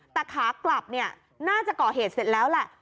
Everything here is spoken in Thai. แต่ขากลับเนี่ยน่าจะก่อเหตุเสร็จแล้วแหละ